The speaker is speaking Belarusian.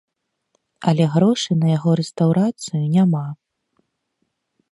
Але грошай на яго рэстаўрацыю няма.